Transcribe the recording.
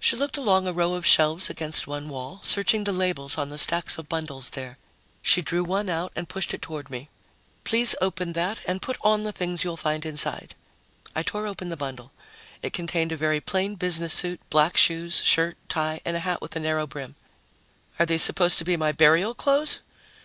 She looked along a row of shelves against one wall, searching the labels on the stacks of bundles there. She drew one out and pushed it toward me. "Please open that and put on the things you'll find inside." I tore open the bundle. It contained a very plain business suit, black shoes, shirt, tie and a hat with a narrow brim. "Are these supposed to be my burial clothes?"